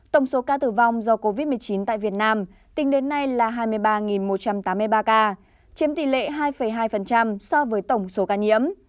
tổng số ca tử vong do covid một mươi chín tại việt nam tính đến nay là hai mươi ba một trăm tám mươi ba ca chiếm tỷ lệ hai hai so với tổng số ca nhiễm